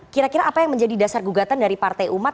kira kira apa yang menjadi dasar gugatan dari partai umat